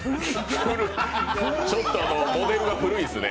ちょっとモデルが古いっすね。